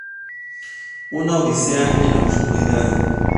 Una odisea en la oscuridad